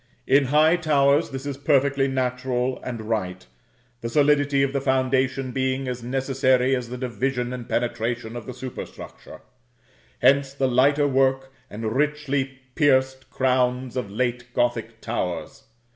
In high towers this is perfectly natural and right, the solidity of the foundation being as necessary as the division and penetration of the superstructure; hence the lighter work and richly pierced crowns of late Gothic towers.